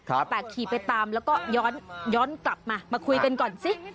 แต่ขี่ไปตามแล้วก็ย้อนกลับมามาคุยกันก่อนสิ